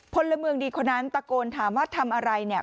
พลเมืองดีคนนั้นตะโกนถามว่าทำอะไรเนี่ย